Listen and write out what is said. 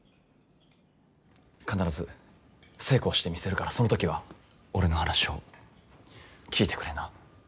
必ず成功してみせるからその時は俺の話を聞いてくれな。